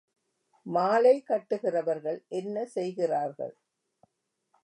மாலை கட்டுகிறவர்கள் என்ன செய்கிறார்கள்?